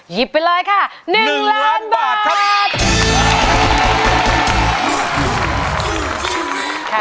ไปเลยค่ะ๑ล้านบาทครับ